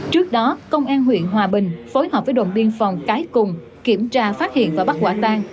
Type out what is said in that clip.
trước đó công an huyện hòa bình phối hợp với đồn biên phòng cái cùng kiểm tra phát hiện và bắt quả tang